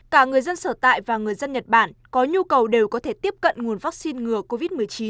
cả người dân sở tại và người dân nhật bản có nhu cầu đều có thể tiếp cận nguồn vaccine ngừa covid một mươi chín